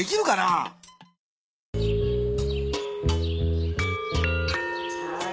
ああ。